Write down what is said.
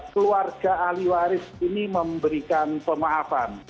keluarga ahli waris ini memberikan pemaafan